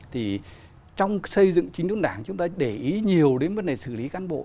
thì trong xây dựng chính đốn đảng chúng ta để ý nhiều đến vấn đề xử lý cán bộ